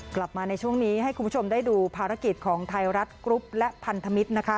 กลับมาในช่วงนี้ให้คุณผู้ชมได้ดูภารกิจของไทยรัฐกรุ๊ปและพันธมิตรนะคะ